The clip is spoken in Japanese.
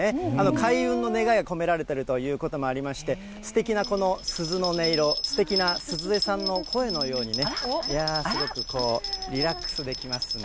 開運の願いが込められているということもありまして、すてきなこの鈴の音色、すてきな鈴江さんの声のようにね、いやぁ、すごくリラックスできますね。